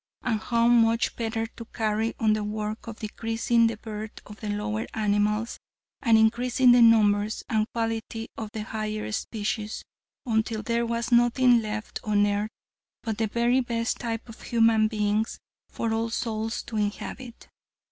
And how much better to carry on the work of decreasing the birth of the lower animals and increasing the numbers and quality of the higher species, until there was nothing left on earth but the very best type of human beings for all souls to inhabit.